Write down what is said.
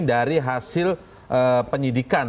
dari hasil penyidikan